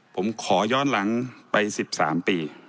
ผมขอย้อนหลังไป๑๓ปี